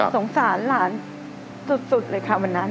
สงสารหลานสุดเลยค่ะวันนั้น